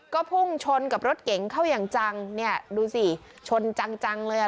ก็พุ่งชนกับรถเก๋งเข้าอย่างจังเนี่ยดูสิชนจังจังเลยอ่ะ